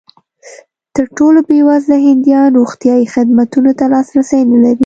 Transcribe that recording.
تر ټولو بېوزله هندیان روغتیايي خدمتونو ته لاسرسی نه لري.